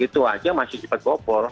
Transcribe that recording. itu aja masih cepat gobol